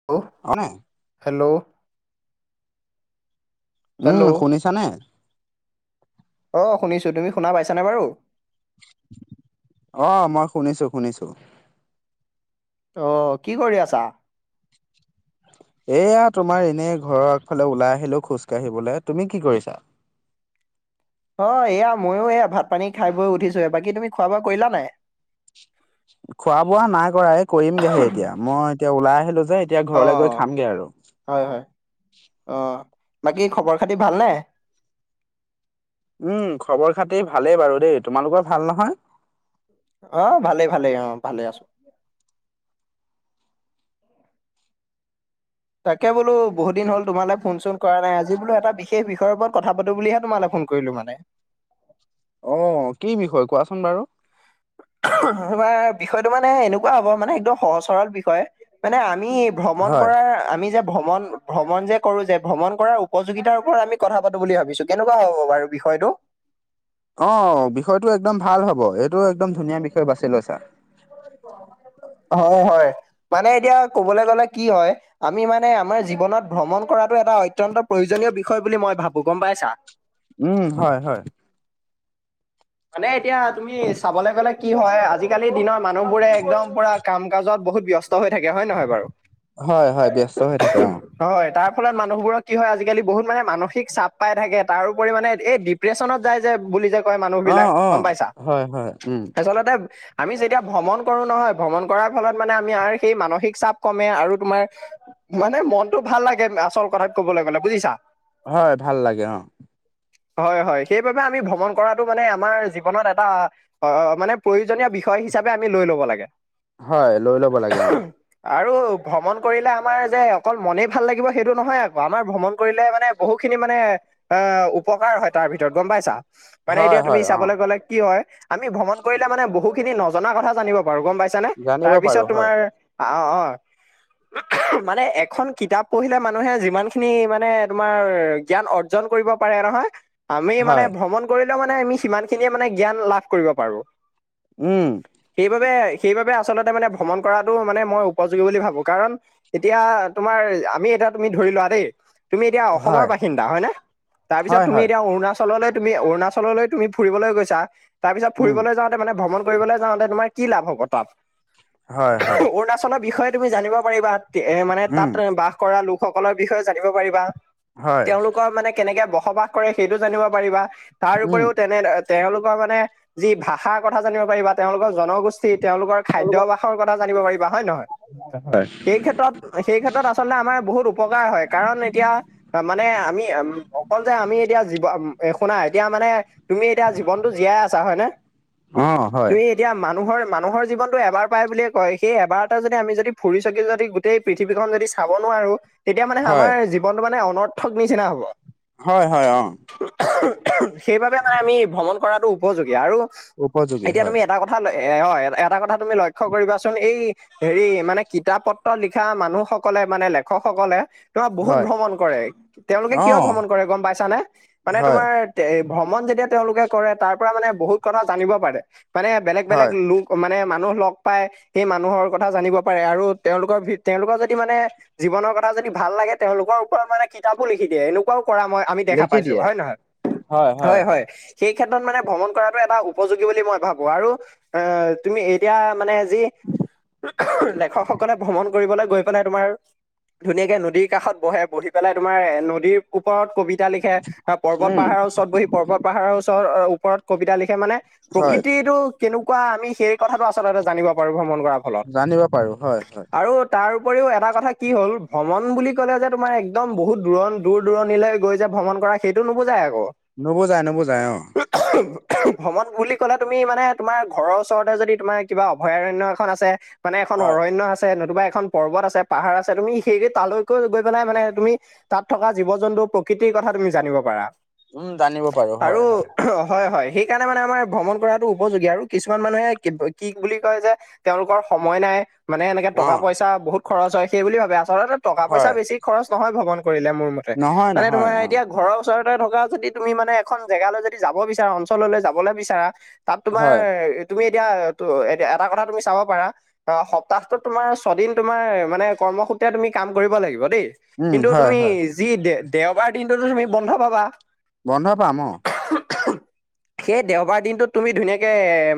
[unintelligible] হয় নে? Hello? Hello উম, শুনিছানে? অ' শুনিছো, তুমি শুনা পাইছানে বাৰু? অ' মই শুনিছো শুনিছো। অ' কি কৰি আছা? এয়া তোমাৰ এনেই ঘৰৰ আগফালে ওলাই আহিলো খোজকাাঢ়িবলৈ। তুমি কি কৰিছা? অ' এয়া ময়ো এয়া ভাত পানী খাই বৈ উঠিছোহে, বাকী তুমি খোৱা বোৱা কৰিলা নাই? খোৱা বোৱা নাই কৰা এই কৰিমগে হে এতিয়া মই এতিয়া ওলাই আহিলো যে। এতিয়া অ ঘৰলৈ গৈ খামগে আৰু। হয়, হয় অ' বাকী খবৰ খাতি ভালনে? উম, খবৰ খাতি ভালেই বাৰু দেই, তোমালোকৰ ভাল নহয়। অ' ভালে ভালে অ' ভালে আছো। তাকে বোলো বহু দিন হ'ল তোমালৈ ফোন চোন কৰা নাই আজি বোলো এটা বিশেষ বিষয়ৰ ওপৰত কথা পাতো বুলিহে তোমালৈ ফোন কৰিলো মানে। অ' কি বিষয় কোৱাচোন বাৰু? তোমাৰ বিষয়টো মানে এনেকুৱা হ'ব মানে একদম সহজ সৰল বিষয়, মানে আমি ভ্ৰমণ হয় কৰাৰ আমি যে ভ্ৰমণ ভ্ৰমণ যে কৰো যে ভ্ৰমণ কৰাৰ উপযোগিতাৰ ওপৰত আমি কথা পাতো বুলি ভাবিছো কেনেকুৱা হ'ব বাৰু বিষয়টো? অ' বিষয়টো একদম ভাল হ'ব, এইটো একদম ধুনীয়া বিষয় বাচি লৈছা। হয়, হয় মানে এতিয়া কবলৈ গ'লে কি হয় আমি মানে আমাৰ জীৱনত ভ্ৰমণ কৰাটো এটা অত্যন্ত প্ৰয়োজনীয় বিষয় বুলি মই ভাবো, গ'ম পাইছা? উম, হয়, হয়। মানে এতিয়া তুমি চাবলৈ গ'লে কি হয়, আজিকালিৰ দিনৰ মানুহ বোৰে একদম পুৰা কাম কাজত বহুত ব্যস্ত হৈ থাকে হয় নহয় বাৰু? হয় হয় ব্যস্ত হৈ থাকে অ হয়, তাৰ ফলত মানুহবোৰৰ কি হয় আজিকালি বহুত মানে মানসিক চাপ পাই থাকে। তাৰোপৰি মানে এই প্ৰেচনত যায় যে বুলি যে কয় মানুহ অ বিলাক অ গ'ম পাইছা? হয় হয় উম আচলতে আমি যেতিয়া ভ্ৰমণ কৰো নহয় ভ্ৰমণ কৰাৰ ফলত মানে আমি সেই মানসিক চাপ ক'মে, আৰু তোমাৰ মানে মনটো ভাল লাগে আচল কথাত কবলৈ গ'লে বুজিছা? হয়, ভাল লাগে অ'। হয়, হয় সেইবাবে আমি ভ্ৰমণ কৰা টো মানে আমাৰ জীৱনত এটা অ' মানে প্ৰয়োজনীয় বিষয় হিচাপে আমি লৈ ল'ব লাগে। হয়, লৈ ল'ব লাগে অঁ। আৰু ভ্ৰমণ কৰিলে আমাৰ যে অকল মনেই ভাল লাগিব সেইটো নহয় আকৌ আমাৰ ভ্ৰমণ কৰিলে মানে বহু খিনি মানে এ উপকাৰ হয় তাৰ ভিতৰত গ'ম পাইছা? মানে হয় এতিয়া তুমি হয় অ চাবলৈ গ'লে কি হয়, আমি ভ্ৰমণ কৰিলে মানে বহু খিনি নজনা কথা জানিব পাৰো গ'ম পাইছ ছানে? জানিব তাৰপিছত পাৰো হয় তোমাৰ অ' অ' মানে এখন কিতাপ পঢ়িলে মানুহে যিমানখিনি মানে তোমাৰ জ্ঞান অৰ অৰ্জন কৰিব পাৰে নহয় আমি মানে হয় ভ্ৰমণ কৰিলেও মানে আমি সিমানখিনিয়ে মানে জ্ঞান লাভ কৰিব পাৰো। উম। সেইবাবে সেইবাবে আচলতে মানে ভ্ৰমণ কৰাটো মানে মই উপযোগী বুলি ভাবো। কাৰণ এতিয়া তোমাৰ আমি এতিয়া তুমি ধৰি লোৱা দেই তুমি এতিয়া অসমৰ হয় বাসিন্দা হয় নে? তাৰপিছত হয় তুমি হয় এতিয়া অৰুণাচললৈ তুমি অৰুণাললৈ তুমি ফুৰিবলৈ গৈছা, তাৰ পিছত উম ফুৰিবলৈ যাওঁ মানে ভ্ৰমণ কৰিবলৈ যাওঁতে তোমাৰ কি লাভ হ'ব তাত? হয় হয় অৰুণাচলৰ বিষয় তুমি জানিব পাৰিবা এ মানে উম তাত বাস কৰা লোকসকলৰ বিষয়েও জানিব পাৰিবা। হয় তেওঁলোকৰ মানে কেনেকে বসবাস কৰে সেইটো জানিব পাৰিবা, তাৰ উম উপৰিও তেনে তেওঁলোকৰ মানে যি ভাষাৰ কথা জানিব পাৰিব, বা তেওঁলোকৰ জনগোষ্ঠী, তেওঁলোকৰ হয় খাদ্যভাসৰ কথা জানিব পাৰিবা হয় নে নহয়? সেই ক্ষেত্ৰত সেই ক্ষেত্ৰত আচলতে আমাৰ বহুত উপকাৰ হয়। কাৰণ এতিয়া মানে আমি অকল যে আমি এতিয়া জীৱ শুনাই এতিয়া মানে তুমি এতিয়া জীৱনতটো জীয়াই আছা হয় নে? অ হয় তুমি এতিয়া মানুহৰ মানুহৰ জীৱনটো এবাৰ পায় বুলিয় কয়, সেই এবাৰটে যদি আমি যদি ফুৰি চকি যদি গোটেই পৃথিৱীখন যদি চাব নোৱাৰো, তেতিয়া মানে হয় আমাৰ জীৱনটো মানে অনৰ্থক নিচিনা হ'ব। হয়, হয়। অ' সেইবাবে মানে আমি ভ্ৰমণ কৰাটো উপযোগী। আৰু উপযোগী এতিয়া হয় তুমি এটা কথা থা এ হয় এটা কথা তুমি লক্ষ্য কৰিবাচোন এই হেৰি মানে কিতাপ পত্ৰ লিখা মানুহসকলে মানে লেখকসকলে তোমাৰ বহুত হয় ভ্ৰমণ কৰে তেওঁলোকে, অ কিয় ভ্ৰমণ কৰে গ'ম পাইছানে? মানে হয় তোমাৰ এ ভ্ৰমণ যেতিয়া তেওঁলোকে কৰে তাৰ পৰা মানে বহুত কথা জানিব পাৰে, মানে বেলেগ বেলেগ হয় লোক মানে মানুহ লগ পাই সেই মানুহৰ কথা জানিব পাৰে, আৰু তেওঁলোকৰ তেওঁলোকৰ যদি মানে জীৱনৰ কথা যদি ভাল লাগে তেওঁলোকৰ ওপৰত মানে কিতাপো লিখি দিয়ে। এনেকুৱাও কৰা মই আমি দেখা লিখি পাইছো। দিয়ে হয় নহয়? হয়, হয় সেই ক্ষেত্ৰত মানে ভ্ৰমণ কৰাটো এটা উপযোগী বুলি মই ভাবো। আৰু আহ তুমি এতিয়া মানে যি লেখকসকলে ভ্ৰমণ কৰিবলৈ গৈ পেলাই তোমাৰ ধুনীয়াকে নদীৰ কাষত বহে, বহি পেলাই তোমাৰ এ নদীৰ ওপৰত কবি বিতা লিখে, বা পৰ্বত উম পাহাৰৰ ওচৰত বহি পৰ্বত পাহাৰৰ ওচৰতৰ ওপৰত কবিতা লিখে, মানে হয় প্ৰকৃতিটো কেনেকুৱা আমি সেই কথাটো আচলতে জানিব পাৰো ভ্ৰমণ কৰা ফলত। জানিব পাৰো হয় হয় আৰু তাৰ উপৰিও এটা কথা কি হ'ল, ভ্ৰমণ বুলি ক'লে যে তোমাৰ একদম বহুত দৰণ দূৰ দূৰণিলৈ গৈ যে ভ্ৰমণ কৰা সেইটো নুবুজাই আকৌ। নুবুজায়, নুবুজায় অঁ। ভ্ৰমণ বুলি ক'লে তুমি মানে তোমাৰ ঘৰৰ ওচৰতে যদি তোমাৰ কিবা অভয়াৰণ্য এখন আছে মানে এখন হয় অৰণ্য আছে, নতুবা এখন পৰ্বত আছে, পাহাৰ আছে তুমি সেই তালৈকে গৈ পেলাই মানে তুমি তাত থকা জীৱ জন্তু প্ৰকৃতিৰ কথা তুমি জানিব পাৰা। উম জানিব পাৰো হয় আৰু হয় হয়, হয়। সেই সেইকাৰণে মানে আমাৰ ভ্ৰমণ কৰাতটো উপযোগী, আৰু কিছুমান মানুহে কি বুলি কয় যে তেওঁলোকৰ সময় নাই মানে এনেকে অ টকা পইচা বহুত খৰচ হয় সেইবুলি ভাবে, আচলতে টকা পইচা হয় বেছি খৰচ নহয় ভ্ৰমণ কৰিলে, মোৰ মতে নহয় মানে নহয় তোমাৰ অ এতিয়া ঘৰৰ ওচৰতে থকা যদি তুমি মানে এখন জেগালৈ যদি যাব বিচাৰা অঞ্চললৈ যাবলৈ বিচাৰা তাত তোমাৰ হয় তুমি এতিয়া ত এতিয়া এটা কথা তুমি চাব পাৰা অ' সপ্তাহটোত তোমাৰ ছদিন তোমাৰ মানে কৰ্মসূত্ৰে তুমি কাম কৰিব লাগিব দেই উম কিন্তু হয় তুমি হয় যি দে দেওবাৰ দিনটো তুমি বন্ধ পাবা। বন্ধ পাম অ'। [inaudible] সেই দেওবাৰ দিনটোত তুমি ধুনীয়াকে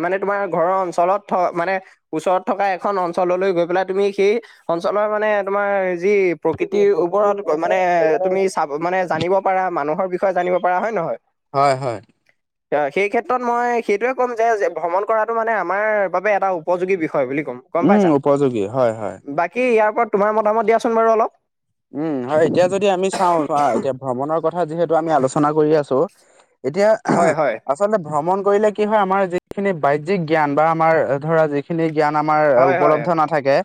মানে তোমাৰ ঘৰৰ অঞ্চলত থ মানে ওচৰত থকা এখন অঞ্চললৈ গৈ পেলাই তুমি সেই অঞ্চলৰ মানে তোমাৰ যি প্ৰকৃতিৰ ওপৰত মানে তুমি পা মানে জানিব পাৰা মানুহৰ বিষয়ে জানিব পাৰা হয় নে নহয়? হয়, হয়। [inaudible] সেই ক্ষেত্ৰত মই সেইটোৱে ক'ম যে ভ্ৰমণ কৰাটো মানে আমাৰ বাবে এটা উপযোগী বিষয় বুলি ক'ম। গ'ম উম, পাইছা? উপযোগী হয়, হয়। বাকী ইয়াৰ ওপৰত তোমাৰ মতামত দিয়াচোন বাৰু অলপ? উম, হয় এতিয়া যদি আমি চাওঁ চ এতিয়া ভ্ৰমণৰ কথা যিহেতু আমি আলোচনা কৰি আছো এতিয়া হয় হয় আচলতে ভ্ৰমণ কৰিলে কি হয় আমাৰ যিখিনি বাহ্যিক জ্ঞান বা আমাৰ ধৰা যি যিখিনি জ্ঞান আমাৰ হয় হয় উপলব্ধ নাথাকে,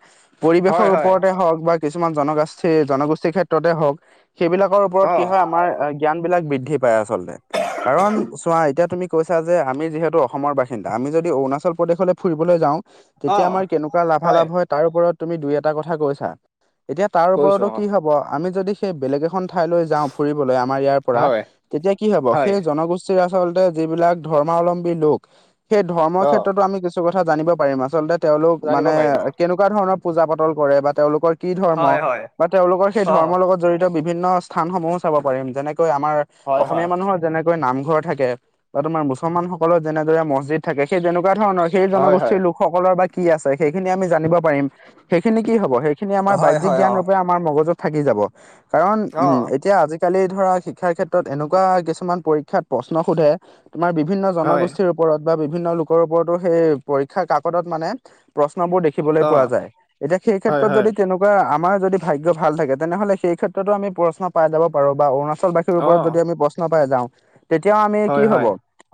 পৰিৱেশৰ হয় হয় ওপৰতে হওক বা কিছুমান জনগোষ্ঠী -ষ্ঠীৰ জনগোষ্ঠীৰ ক্ষেত্ৰতে হওঁক সেইবিলাকৰ ওপৰত অ কি হয়, আমাৰ জ্ঞানবিলাক বৃদ্ধি পায় আচলতে। কাৰণ চোৱা এতিয়া তুমি কৈছা যে আমি যিহেতু অসমৰ বাসিন্দা। আমি যদি অৰুণাচল প্ৰদেশলৈ ফুৰিবলৈ যাওঁ অ তেতিয়া আমাৰ কেনেকুৱা লাভালাভ হয়, তাৰ ওপৰত তুমি দুই এটা কথা কৈছা। এতিয়া তাৰ কৈছো ওপৰতো অ কি হ'ব আমি যদি সেই বেলেগ এখন ঠাইলৈ যাওঁ। ফুৰিবলৈ। আমাৰ ইয়াৰ পৰা। হয় তেতিয়া কি হ'ব হয় সেই জনগোষ্ঠী আচলতে যিবিলাক ধৰ্মাৱলম্বী লোক, সেই ধৰ্মৰ অ ক্ষেত্ৰতো আমি কিছু কথা জানিব পাৰিম। আচলতে তেওঁলোক জানিব মানে পাৰিম অ কেনেকুৱা ধৰণৰ পূজা-পাতল কৰে বা তেওঁলোকৰ কি ধৰ্ম হয়। হয়। বা তেওঁলোকৰ সেই অ ধৰ্মৰ লগত জড়িত, বিভিন্ন স্থানসমূহো চাব পাৰিম। যেনেকৈ আমাৰ হয় হয় অসমীয়া মানুহৰ যেনে - কৈ নামঘৰ থাকে, বা তোমাৰ মুছলমানসকলৰ যেনেদৰে মছজিদ থাকে। সেই তেনেকুৱা ধৰণৰ সেই হয় জনগোষ্ঠীৰ লোকসকলৰ বা কি আছে, সেইখিনি আমি জানিব পাৰিম। সেইখিনি কি হ'ব। সেইখিনি আমাৰ হয় হয় বাহ্যিক হয় অ জ্ঞান ৰূপে আমাৰ মগজুত থাকি যাব। কাৰণ অ উম। এতিয়া আজি আজিকালি ধৰা শিক্ষাৰ ক্ষেত্ৰত এনেকুৱা কিছুমান পৰীক্ষাত প্ৰশ্ন সোধে, তোমাৰ বিভিন্ন হয় জনগোষ্ঠীৰ ওপৰত বা বিভিন্নলোকৰ ওপৰতো সেই পৰীক্ষা কাকতত মানে প্ৰশ্নবোৰ দেখিবলৈ অ পোৱা যায়। এতিয়া হয় সেইক্ষেত্ৰত হয় যদি তেনেকুৱা আমাৰ যদি ভাগ্য ভাল থাকে, তেনেহ'লে সেই ক্ষেত্ৰতো আমি প্ৰশ্ন পাই যাব পাৰো। বা অৰুণাচল অৰুনাচলবাসীৰ অ ওপৰত যদি আমি প্ৰশ্ন পাই যাওঁ, তেতিয়াও আমি হয় কি হব হয়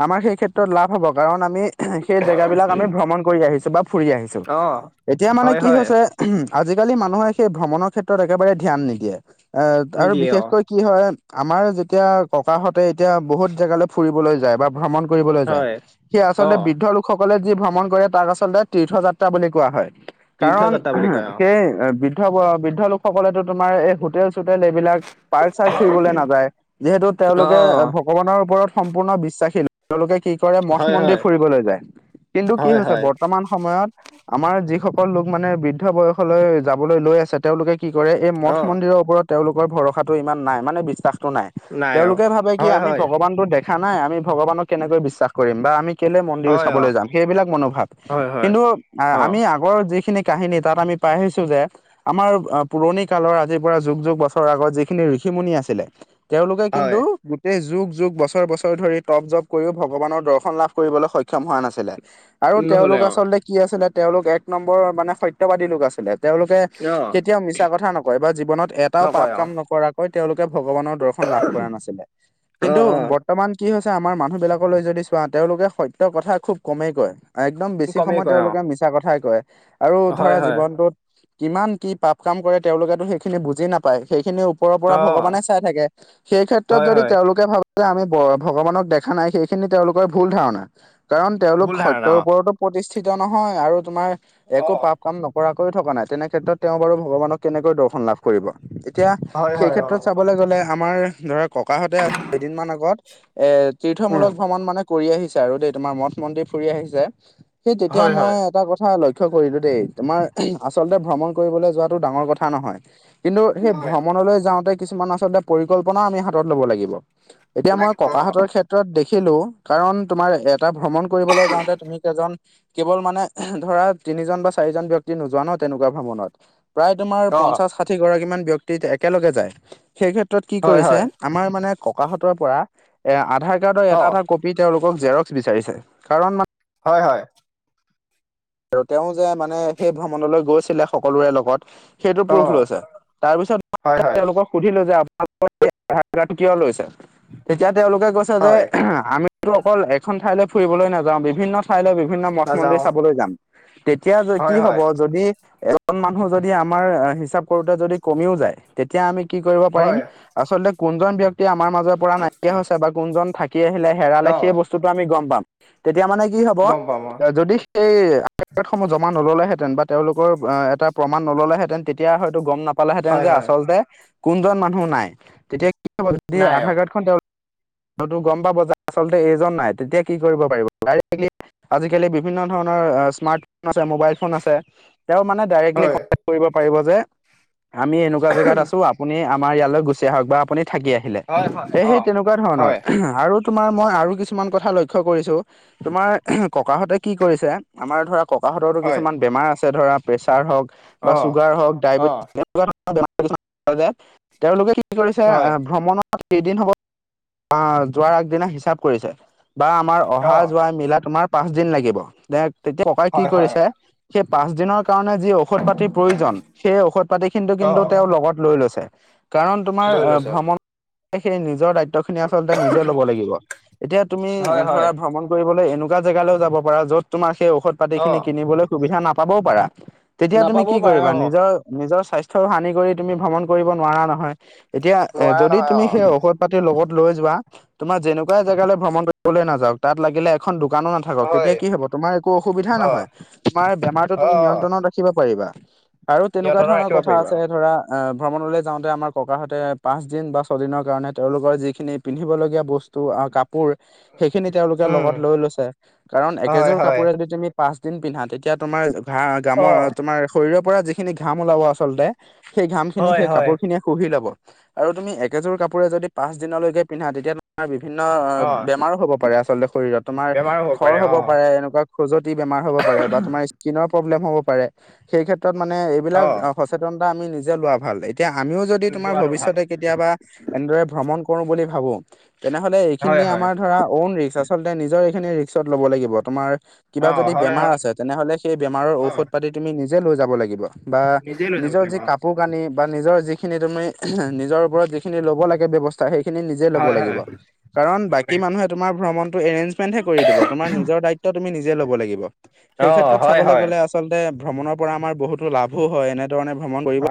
আমাৰ সেই ক্ষেত্ৰত লাভ হব। কাৰণ আমি সেই জেগাবিলাক আমি ভ্ৰমণ কৰি আহিছো। বা ফুৰি আহিছো। অ এতিয়া মানে হয় কি হয় হৈছে আজিকালি মানুহে সেই ভ্ৰমণৰ ক্ষেত্ৰত একেবাৰে ধ্যান নিদিয়ে। এ আৰু নিদিয়ে অ বিশেষকৈ কি হয়, আমাৰ যেতিয়া ককাহঁতে এতিয়া বহুত জেগালৈ ফুৰিবলৈ যায়। বা ভ্ৰমণ কৰিবলৈ যায়, হয় সেই অ আচলতে বৃদ্ধলোক লোকসকলে যি ভ্ৰমণ কৰে, তাক আচলতে তীৰ্থযাত্ৰা বুলি কোৱা হয়। তীৰ্থ কাৰণ যাত্ৰা বুলি কয় অ সেই বৃদ্ধ- বৃদ্ধলোক সকলেতো তোমাৰ এই হোটেল-চোটেল এইবিলাক পাৰ্ক- চাৰ্ক ফুৰিবলৈ নাযায়। যিহেতু অ তেওঁলোকে ভগৱানৰ ওপৰত সম্পূৰ্ণ বিশ্বাসী [unintelligible] তেওঁলোকে কি কৰে, হয় হয় মঠ-মন্দিৰ ফুৰিবলৈ যায়। কিন্তু কি হয় হৈছে হয় বৰ্তমান সময়ত আমাৰ যিসকল লোক মানে বৃদ্ধ বয়সলৈ যাবলৈ লৈ আছে তেওঁলোকে কি কৰে, এই অ মঠ-মন্দিৰৰ ওপৰত তেওঁলোকৰ ভৰসাটো ইমান নাই। মানে বিশ্বাসটো নাই। অ তেওঁলোকে ভাবে কি হয় আমি হয় ভগৱানতো দেখা নাই, আমি ভগৱানক কেনেকৈ বিশ্বাস কৰিম। বা আমি কেলে মন্দিৰ হয় অ চাবলৈ যাম। সেইবিলাক মনোভাৱ হয় হয় কিন্তু অ আমি আগৰ যিখিনি কাহিনী তাত আমি পাই আহিছো যে- আমাৰ পুৰণিকালৰ আজিৰ পৰা যুগ -যুগ বছৰৰ আগত যিখিনি ঋষিমুনি আছিলে, তেওঁলোকে হয় কিন্তু এই যুগ- যুগ, বছৰ -বছৰ ধৰি তপ -জপ কৰিও ভগৱানৰ দৰ্শন লাভ কৰিবলৈ সক্ষম হোৱা নাছিলে। আৰু নহ'লে তেওঁলোক অ আচলতে কি আছিলে, তেওঁলোক এক নম্বৰ মানে সত্যবাদী লোক আছিলে। তেওঁলোকে অ কেতিয়াও মিছা কথা নকয় বা জীৱনত এটাও পাপ নকয় অ কাম নকৰাক কয়, তেওঁলোকে ভগৱানৰ দৰ্শন লাভ কৰা নাছিলে অ কিন্তু বৰ্তমান কি হৈছে আমাৰ মানুহবিলাকলৈ যদি চোৱা, তেওঁলোকে সত্যৰ কথা খুব কমেই কয়। একদম অ বেছি কমেই সময় কয় অ তেওঁলোকে মিছা কথাই কয়। আৰু হয় ধৰা হয় জীৱনটোত কিমান কি পাপ কাম কৰে, তেওঁলোকেতো সেইখিনি বুজি নাপায়। সেইখিনি ওপৰৰ অ পৰা ভগৱানে চাই থাকে। সেই ক্ষেত্ৰত হয় যদি হয় তেওঁলোকে ভাবে যে আমি ভগৱানক দেখা নাই। সেইখিনি তেওঁলোকৰ ধাৰণা, কাৰণ তেওঁলোক ভুল ধাৰণা সত্যৰ অ ওপৰতো প্ৰতিষ্ঠিত নহয়। আৰু তোমাৰ অ একো পাপ কাম নকৰাকৈ থকা নাই। তেনে ক্ষেত্ৰত তেওঁ বাৰু ভগৱানক কেনেকৈ দৰ্শন লাভ কৰিব। এতিয়া হয় হয় অ সেইক্ষেত্ৰত চাবলৈ গ'লে আমাৰ ধৰক ককাহঁতে কেইদিনমান আগত এ উম তীৰ্থমূলক ভ্ৰমণ মানে কৰি আহিছে। আৰু দেই তোমাৰ মঠ- মন্দিৰ ফুৰি আহিছে, সেই তেতিয়া হয় মই হয়। এটা কথা লক্ষ লক্ষ্য কৰিলো দেই। তোমাৰ আচলতে ভ্ৰমণ কৰিবলৈ যোৱাটো ডাঙৰ কথা নহয়। কিন্তু সেই নহয় ভ্ৰমণলৈ যাওঁতে কিছুমান আচলতে পৰিকল্পনাও আমি হাতত লব লাগিব। এতিয়া মই লাগিব ককাহঁতৰ ক্ষেত্ৰত দেখিলো কাৰণ, তোমাৰ এটা ভ্ৰমণ কৰিবলৈ যাওঁতে তুমি এজন কেৱল মানে ধৰা, তিনিজন বা চাৰিজন ব্যক্তি নোযোৱা ন তেনেকুৱা ভ্ৰমণত। প্ৰায় তোমাৰ অ পঞ্চাছ, ষাঠিগৰাকীমান ব্যক্তি একেলগে যায়। সেই ক্ষেত্ৰত কি হয় কৰিছে হয় আমাৰ মানে ককাহঁতৰ পৰা এ আধাৰ কাৰ্ডৰ অ এটা, এটা কপি তেওঁলোকক জেৰক্স বিচাৰিছে। কাৰণ হয়, হয়। আৰু তেওঁ যে, মানে সেই ভ্ৰমণলৈ গৈছিলে সকলোৰে লগত। সেইটো অ প্ৰুফ লৈছে। তাৰপিছত হয় হয় তেওঁলোকৰ সুধিলো যে আপোনালোকে আধাৰ কাৰ্ড কিয় লৈছে, তেতিয়া তেওঁলোকে কৈছে যে হয় আমি টো অকল এখন ঠাইলৈ ফুৰিবলৈ নাযাওঁ, বিভিন্ন ঠাইলৈ বিভিন্ন নাযাও মঠ-মন্দিৰ চাবলৈ যাম। তেতিয়া, যে কি হয় হ'ব হয় যদি, এজন মানুহ যদি আমাৰ হিচাপ কৰোঁতে, যদি কমিও যায়। তেতিয়া আমি কি কৰিব পাৰিম, হয় আচলতে কোনজন ব্যক্তি আমাৰ মাজৰ পৰা নাইকিয়া হৈছে বা কোনজন থাকি আহিলে হেৰালে অ সেই বস্তুটো আমি গম পাম। তেতিয়া মানে কি হ'ব গম পাম অ যদি সেই কাৰ্ড সমূহ জমা নললেহেতেন বা তেওঁলোকৰ এ প্ৰমাণ নললেহেঁতেন তেতিয়া হয়তো গম নাপ পালে হেতেন হয় যে হয় আচলতে কোনজন মানুহ নাই। তেতিয়া কি হ'ব যদি নাই অ আধাৰ কাৰ্ডখন তো গম পাব যে, আচলতে এইজন নাই তেতিয়া কি কৰিব পাৰিব, দিৰেক্টলী আজিকালি বিভিন্ন ধৰণৰ স্মাৰ্টফোন আছে, মোবাইল ফোন আছে। তেওঁ মানে ডাইৰেক্টলি হয় কণ্টেক্ট কৰিব পাৰিব যে আমি এনেকোৱা জেগাত আছোঁ, আপুনি আমাৰ ইয়ালৈ গুচি আহক বা আপুনি থাকি আহি হিলে, হয় হয় সেইয়েহে অ তেনেকুৱা ধৰণৰ, হয় আৰু তোমাৰ মই আৰু কিছুমান কথা লক্ষ্য কৰিছো তোমাৰ ককাহঁতে কি কৰিছে, আমাৰ ধৰা ককাহঁতৰো হয় কিছুমান বেমাৰ আছে ধৰা। প্ৰেছাৰ হওক, বা অ চুগাৰ হওক, অ [unintelligible] তেওঁলোকে কি কৰিছে হয় ভ্ৰমণত [unintelligible] কেইদিন হ'ব আহ যোৱাৰ আগদিনা হিচাপ কৰিছে। বা আমাৰ অ অহা-যোৱা মিলা তোমাৰ পাঁচ দিন লাগিব। দে তেতিয়া ককাই কি হয় হয় কৰিছে সেই পাঁচ দিনৰ কাৰণে, যি ঔষধ পাতিৰ প্ৰয়োজন সেই ঔষধ পাতিখিনিটো অ কিন্তু তেওঁ লগত লৈ লৈছে। কাৰণ তোমাৰ লৈ লৈছে অ ভ্ৰমণ সেই নিজৰ দায়িত্ব। ত' খিনি আচলতে নিজে ল'ব লাগিব, এতিয়া তুমি হয় হয় ধৰা ভ্ৰমণ কৰিবলৈ এনেকুৱা জেগালৈও যাব পাৰা, য'ত তোমাৰ সেই ঔষধ অ পাতিখিনি কিনিবলৈ সুবিধা নাপাবও পাৰা। তেতিয়া তুমি নাপাবও কি পাৰে কৰিবা অ নিজৰ নিজৰ স্বাস্থ্য হানি কৰি তুমি ভ্ৰমণ কৰিব নোৱাৰা নহয়। এতিয়া এ নোৱাৰা যদি নহয় অ তুমি সেই ঔষধ পাতি লগত লৈ যোৱা, তোমাৰ যেনেকুৱাই জেগালৈ ভ্ৰমণ কৰিবলৈ নাযাওক, তাত লাগিলে এখন দোকানো নাথাক থাকক হয় তেতিয়া কি হব, তোমাৰ একো অসুবিধা অ নহয় তোমাৰ বেমাৰো অ তুমি নিয়ন্ত্ৰণত ৰাখিব পাৰিবা। আৰু তেনেকুৱা নিয়ন্ত্ৰণে ধৰণৰ ৰাখিব কথা পাৰিবা আছে ধৰা। ভ্ৰমণলৈ যাওঁতে, আমাৰ ককাহঁতে পাঁচদিন বা ছদিনৰ কাৰণে তেওঁলোকৰ যিখিনি পিন্ধিবলগীয়া বস্তু টো আ কাপোৰ সেইখিনি, তেওঁলোকে উম লগত লৈ লৈছে। কাৰণ হয় একেযোৰ হয় কাপোৰে যদি তুমি পাঁচ দিন পিন্ধা, তেতিয়া তোমাৰ ঘামৰ অ তোমাৰ শৰীৰৰ পৰা যিখিনি ঘাম ওলাব আচলতে, সেই ঘাম খিনি হয় সেই হয়। কাপোৰ খিনি শুহি ল'ব। আৰু তুমি একেযোৰ কাপোৰে যদি পাচ দিনলৈকে পিন্ধা তেতিয়া তোমাৰ বিভিন্ন অ', বেমাৰো হ'ব পাৰে আচলতে, শৰীৰত তোমাৰ বেমাৰো খৰ পাৰে হ'ব। অ হয়, এনেকুৱা খজটি বেমাৰ হ'ব পাৰে বা তোমাৰ ইচকিনৰ প্ৰবলেম হ'ব পাৰে। সেই ক্ষেত্ৰত ক্ষেত্ৰত মানে অ এইবিলাক সচেতনতা আমি নিজে লোৱা ভাল। এতিয়া, আমিও যদি তোমাৰ লোৱাটো ভাল ভৱিষ্যতে কেতিয়াবা এনেদৰে ভ্ৰমণ কৰো বুলি ভাবো তেনেহ'লে হয় এইখিনিয়ে হয় আমাৰ ধৰা ঔন ৰিস্ক, আচলতে নিজৰ এইখিনি ৰিস্ক ল'ব লাগিব তোমাৰ। কিবা অ যদি হয় বেমাৰ হয় আছে, তেনেহ'লে সেই অ বা নিজে লৈ যাব নিজৰ লাগিব যি কাপ অ কাপোৰ-কানি বা নিজৰ যিখিনি তুমি নিজৰ ওপৰত যিখিনি ল'ব লাগে ব্যৱস্থা সেইখিনি নিজে ল'ব হয় লাগিব। হয় কাৰণ, বাকী মানুহে তোমাৰ ভ্ৰমণ এৰেঞ্জমেণ্ট হে কৰি দিব তোমাৰ নিজৰ দায়িত্ব তুমি নিজে লব লাগিব, সেই অ ক্ষেত্ৰত হয় চাবলৈ হয় গলে আচলতে ভ্ৰমণৰ পৰা আমাৰ বহুতো লাভো হয় এনেধৰণে ভ্ৰমণ কৰিব অ